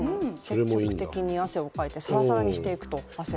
積極的に汗をかいてさらさらにしていくと汗を。